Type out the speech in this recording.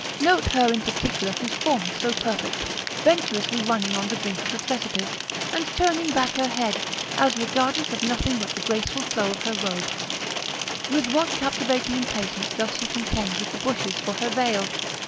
Note her in particular whose form is so perfect, venturously running on the brink of the precipice, and turning back her head, as regardless of nothing but the graceful flow of her robe; with what captivating impatience doth she contend with the bushes for her veil!